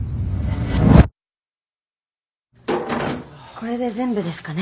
これで全部ですかね。